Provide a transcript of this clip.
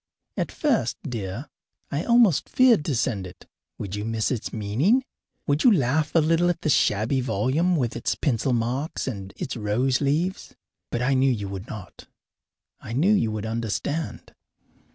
At first, dear, I almost feared to send it. Would you miss its meaning? Would you laugh a little at the shabby volume with its pencil marks and its rose leaves? But I knew you would not; I knew you would understand.